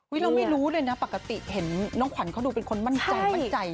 เราไม่รู้เลยนะปกติเห็นน้องขวัญเขาดูเป็นคนมั่นใจมั่นใจ